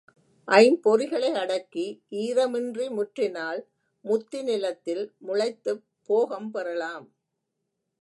ஐம்பொறிகளை அடக்கி, ஈரமின்றி முற்றினால், முத்தி நிலத்தில் முளைத்துப் போகம் பெறலாம்.